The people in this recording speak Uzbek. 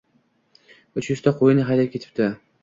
Uch yuzta qo‘yini haydab ketibdi